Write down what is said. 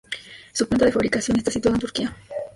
Su planta de fabricación está situada en Turquía